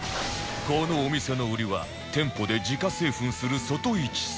このお店の売りは店舗で自家製粉する外一そば